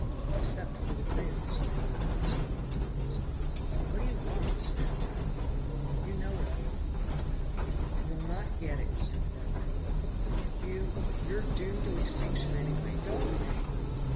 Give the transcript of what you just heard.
"Except for the grin," said the other in his cold tones. "What do you want?" snapped Pat. "You know what I want." "You'll not get it," said the girl angrily. "You you're doomed to extinction, anyway! Go away!"